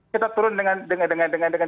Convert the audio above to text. kita turun dengan dengan dengan